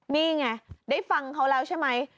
นี่ไงได้ฟังเขาแล้วใช่ไหม